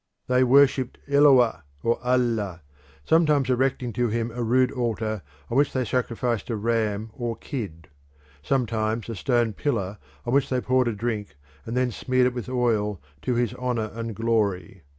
They worshipped Eloah or Allah, sometimes erecting to him a rude altar on which they sacrificed a ram or kid; sometimes a stone pillar on which they poured a drink, and then smeared it with oil to his honour and glory.